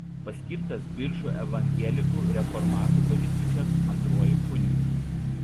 Paskirtas Biržų evangelikų reformatų bažnyčios antruoju kunigu.